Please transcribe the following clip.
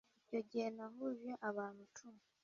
Icyo gihe nahuje abantu icumi